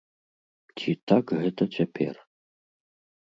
Ці так гэта цяпер?